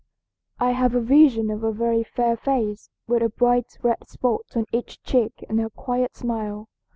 I have a vision of a very fair face with a bright red spot on each cheek and her quiet smile.